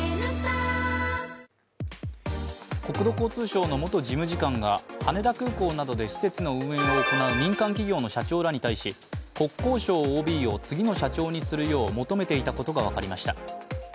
国土交通省の元事務次官が羽田空港などで施設の運営を行う民間企業の社長らに対し国交省ＯＢを次の社長にするよう求めていたことが分かりました。